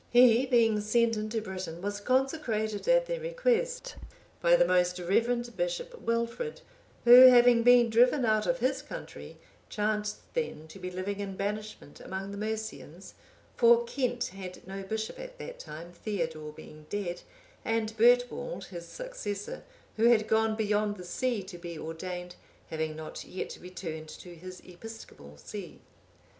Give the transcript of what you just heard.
He, being sent into Britain, was consecrated, at their request, by the most reverend Bishop Wilfrid, who, having been driven out of his country, chanced then to be living in banishment among the Mercians;(834) for Kent had no bishop at that time, Theodore being dead, and Bertwald, his successor, who had gone beyond the sea to be ordained, having not yet returned to his episcopal see.